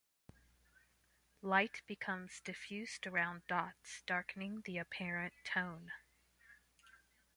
Light becomes diffused around dots, darkening the apparent tone.